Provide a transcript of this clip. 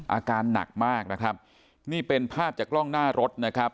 อาการหนักมากนะครับนี่เป็นภาพจากกล้องหน้ารถนะครับ